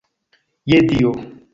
Je Dio!